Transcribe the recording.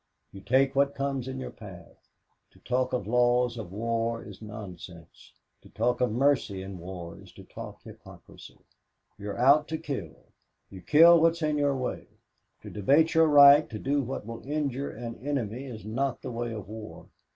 You take what comes in your path. To talk of laws of war is nonsense. To talk of mercy in war is to talk hypocrisy. You're out to kill. You kill what's in your way. To debate your right to do what will injure an enemy is not the way of war.